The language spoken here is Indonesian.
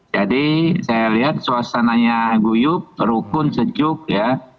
jadi saya lihat suasananya guyup rukun sejuk ya